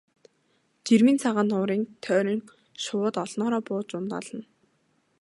Жирмийн цагаан нуурын тойрон шувууд олноороо бууж ундаална.